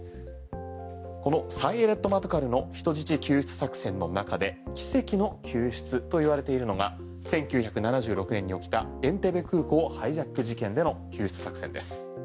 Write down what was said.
このサイェレット・マトカルの人質救出作戦の中で奇跡の救出と言われているのが１９７６年に起きたエンテベ空港ハイジャック事件での救出作戦です。